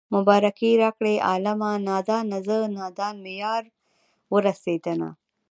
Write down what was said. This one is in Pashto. مبارکي راکړئ عالمه نادانه زه نادان مې يار ورسېدنه